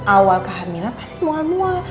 awal kehamilan pasti mual mual